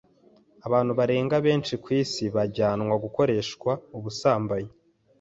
Abantu barenga benshi ku isi bajyanwa gukoreshwa ubusambanyi